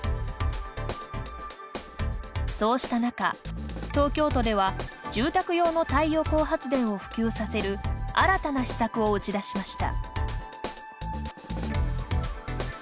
そうした中東京都では住宅用の太陽光発電を普及させる新たな施策を打ち出しました。